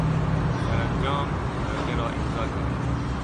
سرانجام ورقه را امضا کرد.